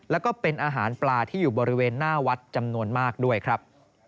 แล้วก็เป็นอาหารปลาที่อยู่บริเวณหน้าวัดจำนวนมากด้วยครับ